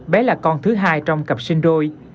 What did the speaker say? bé là con thứ hai trong cặp sinh rôi